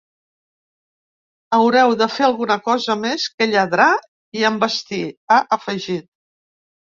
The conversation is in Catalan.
Haureu de fer alguna cosa més que lladrar i envestir, ha afegit.